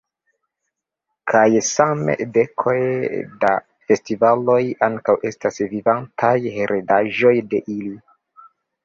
Kaj same, dekoj da festivaloj ankaŭ estas vivantaj heredaĵoj de ili.